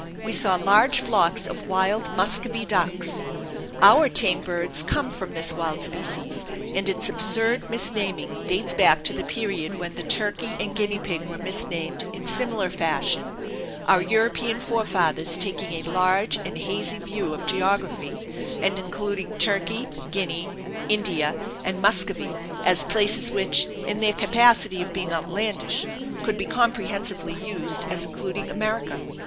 We saw large flocks of wild muscovy ducks. Our tame birds come from this wild species and its absurd misnaming dates back to the period when the turkey and guinea pig were misnamed in similar fashion our European forefathers taking a large and hazy view of geography, and including Turkey, Guinea, India, and Muscovy as places which, in their capacity of being outlandish, could be comprehensively used as including America.